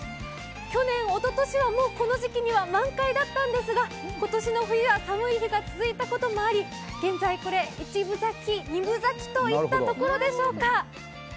去年、おととしはこの時期には満開だったんですが、今年の冬は寒い日が続いたこともあり、現在、１分咲き二分咲きといったところでしょうか。